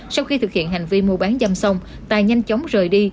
sau khi thực hiện hành vi mua bán dâm xong tài nhanh chóng rời đi